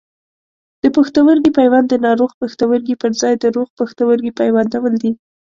د پښتورګي پیوند د ناروغ پښتورګي پر ځای د روغ پښتورګي پیوندول دي.